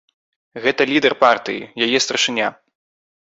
Гэта лідар партыі, яе старшыня.